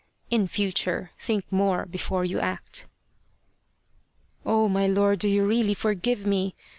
In future think more before you act." " Oh, my lord, do you really forgive me